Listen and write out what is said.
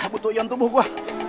butuh ion tubuh gue